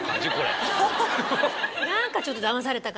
何かちょっと。